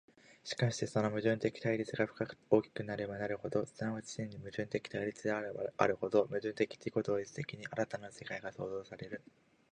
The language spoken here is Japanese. しかしてその矛盾的対立が深く大なればなるほど、即ち真に矛盾的対立であればあるほど、矛盾的自己同一的に新たなる世界が創造せられる。